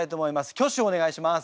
挙手をお願いします。